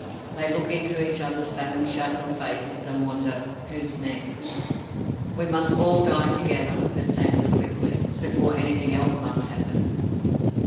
They look into each other's famine sharpened faces, and wonder "who's next?" "We must all die together," said Sanders quickly, "before anything else must happen."